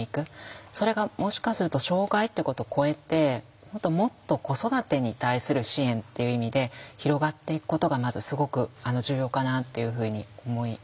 それがもしかすると障害っていうことを超えてもっと子育てに対する支援っていう意味で広がっていくことがまずすごく重要かなっていうふうに思います。